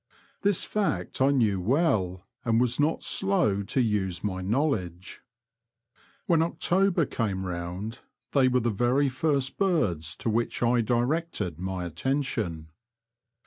This fact I knew well, and was not slow to use my knowledge. When October came round they were the very first birds to which I directed my attention.